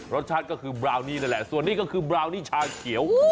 รสชาติก็คือบราวนี่นั่นแหละส่วนนี้ก็คือบราวนี่ชาเขียว